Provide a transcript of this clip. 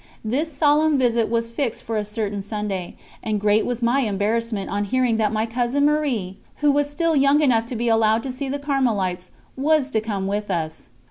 This solemn visit was fixed for a certain Sunday, and great was my embarrassment on hearing that my cousin Marie who was still young enough to be allowed to see the Carmelites was to come with us.